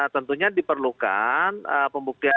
tentunya diperlukan pembukaan penyelidikan